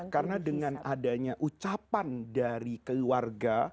karena dengan adanya ucapan dari keluarga